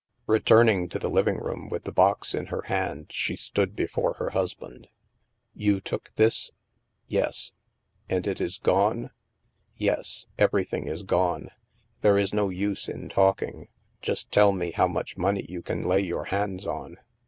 Returning to the living room with the box in her hand, she stood before her husband. "You took this?" " Yes." " And it is gone ?"" Yes. Everything is gone. There is no use in talking. Just tell me how much money you can lay your hands on."